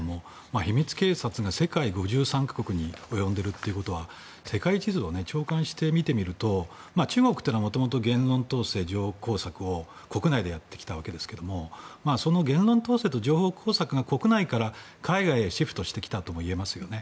秘密警察が世界５３か国に及んでいるということは世界地図を鳥瞰してみてみると中国というのはもともと言論統制、情報工作を国内でやってきたわけですけどその言論統制と情報交錯が国内から海外へシフトしてきたとも言えますね。